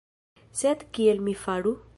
Sed kiel mi faru?